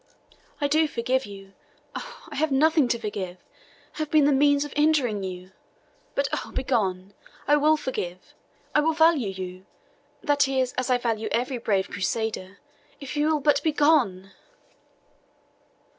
"I do forgive you oh, I have nothing to forgive! have been the means of injuring you. But oh, begone! I will forgive I will value you that is, as I value every brave Crusader if you will but begone!"